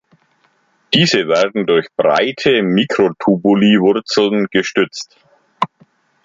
Diese werden durch breite Mikrotubuli-Wurzeln gestützt.